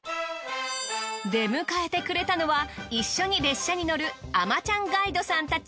出迎えてくれたのは一緒に列車に乗る海女ちゃんガイドさんたち。